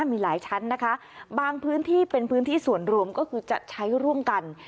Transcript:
มีหลายชั้นนะคะบางพื้นที่เป็นพื้นที่ส่วนรวมก็คือจะใช้ร่วมกัน